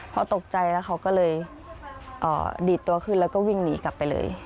เขาตกใจแล้วเขาก็เลยดีดตัวขึ้นแล้วก็วิ่งหนีกลับไปเลย